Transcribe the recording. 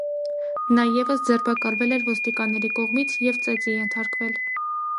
Նա ևս ձերբակալվել էր ոստիկանների կողմից և ծեծի ենթարկվել։